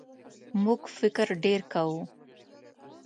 موږ فکر ډېر کوو.